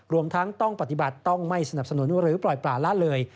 รวมทั้งต้องปฏิบัติต้องไม่สนับสนุนหรือปล่อยป่าละเลย